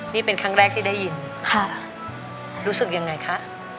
นี่เป็นครั้งแรกที่ได้ยินค่ะรู้สึกยังไงคะ